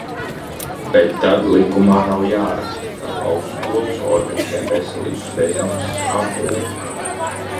Bet tad likumā nav jāraksta, ka augstskolas organizē veselības bezmaksas aprūpi.